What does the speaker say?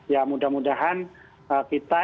ya mudah mudahan kita